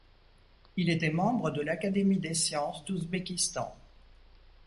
Il était membre de l'Académie des sciences d'Ouzbékistan.